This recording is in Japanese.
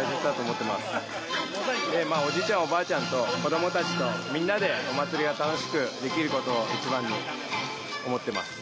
おばあちゃんと子どもたちとみんなでお祭りが楽しくできることをいちばんに思ってます。